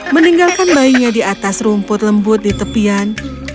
meninggalkan bayinya di atas rumput lembut di tepian